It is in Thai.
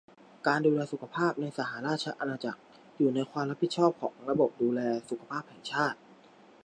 การดูแลสุขภาพในสหราชอาณาจักรอยู่ในความรับผิดชอบของระบบดูแลสุขภาพแห่งชาติ